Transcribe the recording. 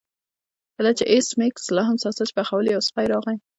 کله چې ایس میکس لاهم ساسج پخول یو سپی راغی